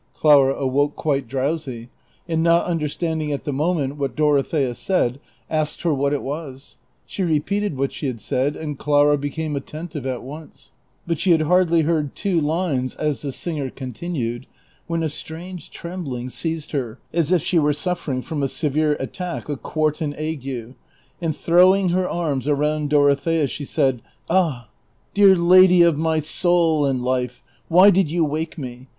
Clara awoke quite drowsy, and not understanding at the moment what Dorothea said, asked her what it was ; she repeated what she had said, and Clara be came attentive at once ; but she had hardly heard two lines, as the singer continued, when a strange trembling seized her, as if she were suffering from a severe attack of quartan ague, and throwing her arms round Dorothea she said, " Ah, dear lady of my soul and life ! why did you wake me '■!